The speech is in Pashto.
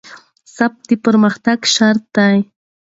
ثبات د پرمختګ شرط دی